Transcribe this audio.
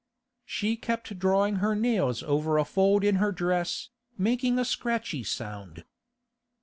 She kept drawing her nails over a fold in her dress, making a scratchy sound.